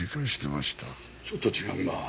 ちょっと違うなぁ。